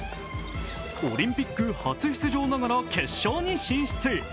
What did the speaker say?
オリンピック初出場ながら決勝に進出。